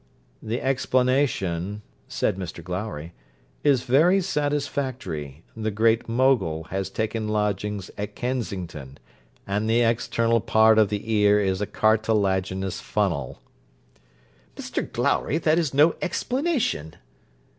'The explanation,' said Mr Glowry, 'is very satisfactory. The Great Mogul has taken lodgings at Kensington, and the external part of the ear is a cartilaginous funnel.' 'Mr Glowry, that is no explanation.'